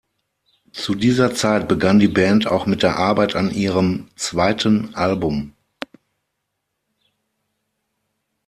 Zu dieser Zeit begann die Band auch mit der Arbeit an ihrem zweiten Album.